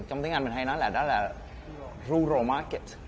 trong tiếng anh mình hay nói là đó là rural market